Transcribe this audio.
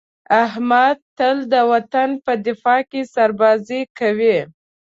احمد تل د وطن په دفاع کې سربازي کوي.